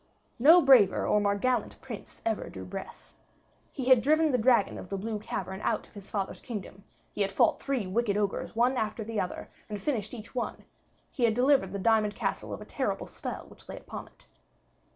No braver or more gallant prince ever drew breath. He had driven the dragon of the blue cavern out of his father's kingdom; he had fought three wicked ogres one after the other, and finished each one; he had delivered the diamond castle of a terrible spell which lay upon it.